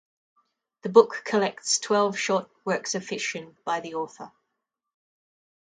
The book collects twelve short works of fiction by the author.